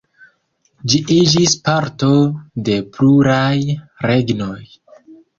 Ĝi iĝis parto de pluraj regnoj.